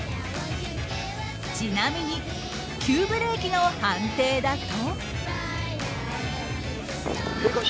ちなみに急ブレーキの判定だと。